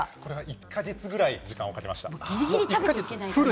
１か月ぐらいかけました。